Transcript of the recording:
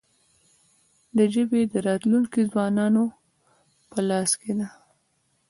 د ژبې راتلونکې د ځوانانو په لاس کې ده.